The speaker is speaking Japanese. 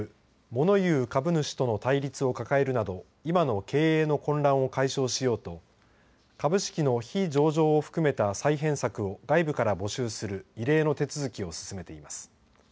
モノ言う株主との対立を抱えるなど今の経営の混乱を解消しようと株式の非上場を含めた再編策を外部から募集する異例の手続きを進めています。